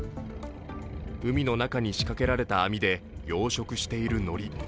海の中に仕掛けられた網で養殖しているのり。